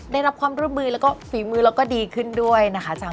ได้รับความร่วมมือแล้วก็ฝีมือแล้วก็ดีขึ้นด้วยนะคะ